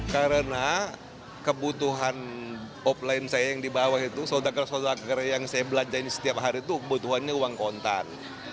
karena kebutuhan offline saya yang dibawa itu soldaker soldaker yang saya belanjain setiap hari itu kebutuhannya uang kontan